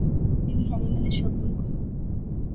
তিনি হ্যানিম্যানের সপ্তম কন্যা।